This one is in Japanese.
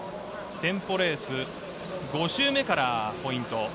テンポレース、５周目からポイント。